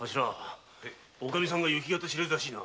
おカミさんが行方知れずらしいな。